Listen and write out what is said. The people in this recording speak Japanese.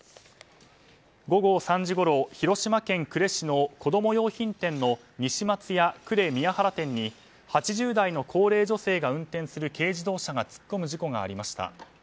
午後３時ごろ、広島県呉市の子供用品店の西松屋呉ミヤハラ店に８０代の高齢女性が運転する軽自動車が突っ込む事故がありました。